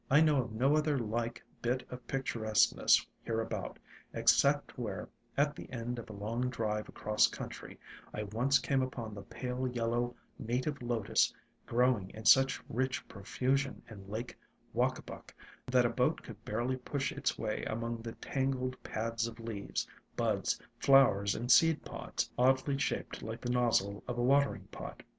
I know of no other like bit of picturesqueness hereabout, except where, at the end of a long drive across country, I once came upon the pale yellow native Lotus growing 46 ALONG THE WATERWAYS in such rich profusion in Lake Wacabuc that a boat could barely push its way among the tangled pads of leaves, buds, flowers and seed pods, oddly shaped like the nozzle of a watering pot.